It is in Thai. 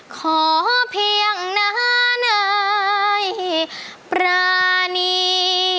ขอเพียงหน้าในประณี